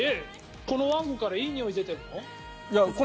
このわんこからいいにおいが出てるの？